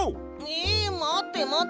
えまってまって！